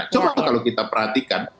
coba kalau kita perhatikan